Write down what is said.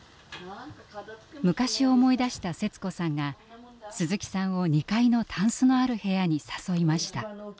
昔を思い出したセツ子さんが鈴木さんを２階のたんすのある部屋に誘いました。